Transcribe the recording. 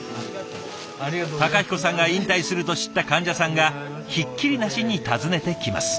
孝彦さんが引退すると知った患者さんがひっきりなしに訪ねてきます。